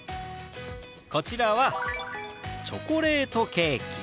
こちらは「チョコレートケーキ」。